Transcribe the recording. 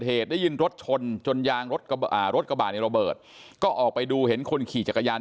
เหตุได้ยินรถชนจนยางรถกระบาดในระเบิดก็ออกไปดูเห็นคนขี่จักรยาน